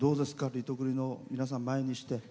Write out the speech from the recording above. リトグリの皆さん、前にして。